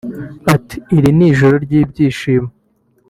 Ati “ Iri ni joro ry’ibyishimo